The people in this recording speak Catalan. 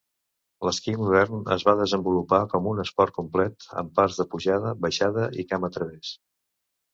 L'esquí modern es va desenvolupar com un esport complet amb parts de pujada, baixada i camp a través.